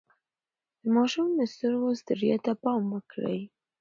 د ماشوم د سترګو ستړيا ته پام وکړئ.